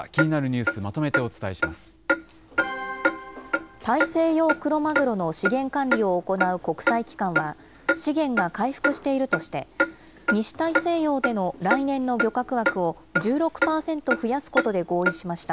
気になるニュース、まとめてお伝大西洋クロマグロの資源管理を行う国際機関は、資源が回復しているとして、西大西洋での来年の漁獲枠を１６％増やすことで合意しました。